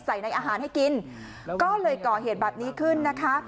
ในอาหารให้กินก็เลยก่อเหตุแบบนี้ขึ้นนะคะ